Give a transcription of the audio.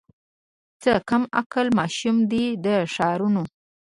څه کم عقل ماشومان دي د ښارونو